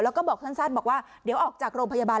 แล้วก็บอกสั้นบอกว่าเดี๋ยวออกจากโรงพยาบาล